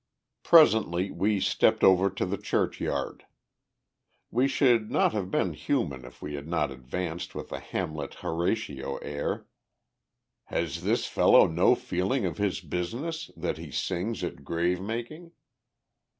Presently we stepped over to the churchyard. We should not have been human if we had not advanced with a Hamlet Horatio air: "Has this fellow no feeling of his business, that he sings at grave making?"